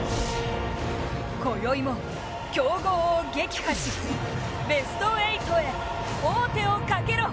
こよいも強豪を撃破し、ベスト８へ王手をかけろ。